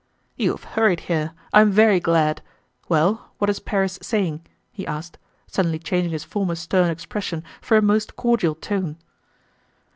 "You have hurried here. I am very glad. Well, what is Paris saying?" he asked, suddenly changing his former stern expression for a most cordial tone.